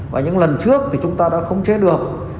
và những lần trước thì chúng ta đã khống chế được